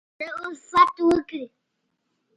دالفت وکړي